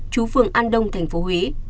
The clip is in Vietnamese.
chú phường an đông tp huế